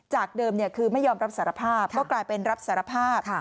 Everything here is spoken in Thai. จากเดิมคือไม่ยอมรับสารภาพก็กลายเป็นรับสารภาพ